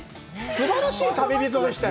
すばらしい旅人でしたよ。